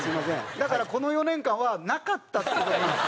だからこの４年間はなかったっていう事なんです。